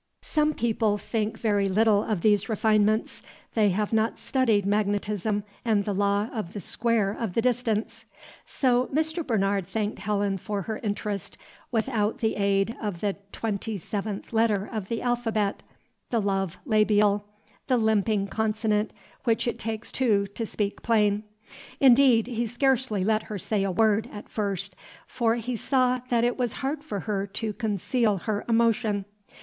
Some people think very little of these refinements; they have not studied magnetism and the law of the square of the distance. So Mr. Bernard thanked Helen for her interest without the aid of the twenty seventh letter of the alphabet, the love labial, the limping consonant which it takes two to speak plain. Indeed, he scarcely let her say a word, at first; for he saw that it was hard for her to conceal her emotion.